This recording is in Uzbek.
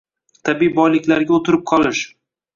Tabiiy boyliklarga «o‘tirib qolish»